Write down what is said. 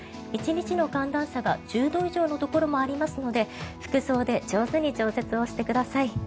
１日の寒暖差が１０度以上のところもありますので服装で上手に調節をしてください。